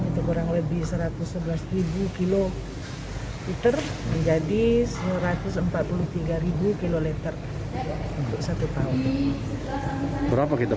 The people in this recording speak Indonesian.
itu kurang lebih satu ratus sebelas kilo liter menjadi satu ratus empat puluh tiga km untuk satu tahun berapa kita